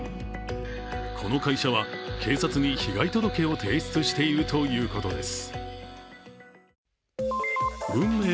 この会社は警察に被害届を提出しているということです。